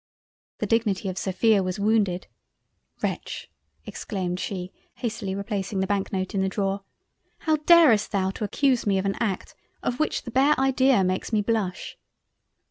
The dignity of Sophia was wounded; "Wretch (exclaimed she, hastily replacing the Bank note in the Drawer) how darest thou to accuse me of an Act, of which the bare idea makes me blush?"